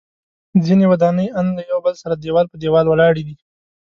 ځینې ودانۍ ان له یو بل سره دیوال په دیوال ولاړې دي.